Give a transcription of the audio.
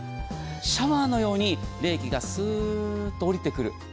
シャワーのように冷気がスーッと下りてくる。